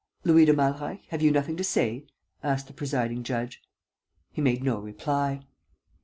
"Louis de Malreich have you nothing to say?" asked the presiding judge. He made no reply.